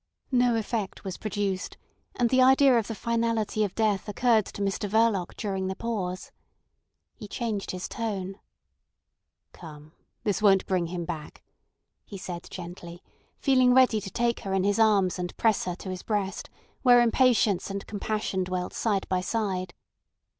No effect was produced, and the idea of the finality of death occurred to Mr Verloc during the pause. He changed his tone. "Come. This won't bring him back," he said gently, feeling ready to take her in his arms and press her to his breast, where impatience and compassion dwelt side by side.